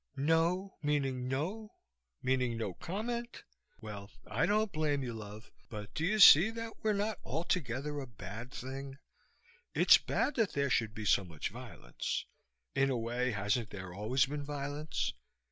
"Not meaning 'no' meaning 'no comment'? Well, I don't blame you, love. But do you see that we're not altogether a bad thing? It's bad that there should be so much violence. In a way. Hasn't there always been violence?